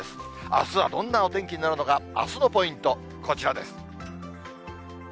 あすはどんなお天気になるのか、あすのポイント、こちらです。